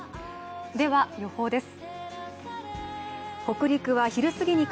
では、予報です。